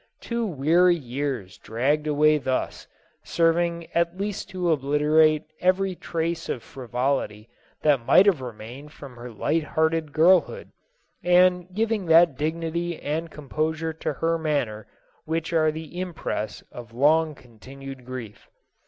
Two weary years dragged away thus, serving at least to obliterate every trace of frivolity that might have remained from her light hearted girl hood, and giving that dignity and composure to her manner which are the impress of long continued grief.